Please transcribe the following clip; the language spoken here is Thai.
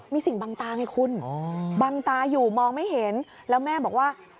มีสิ่งบังตาไงคุณบังตาอยู่มองไม่เห็นแล้วแม่บอกว่า